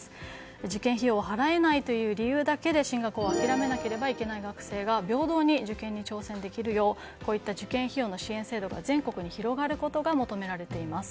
受験費用を払えないという理由だけで進学を諦めなければいけない学生が平等に受験を受けられるようこういった受験費用の補助制度が求められています。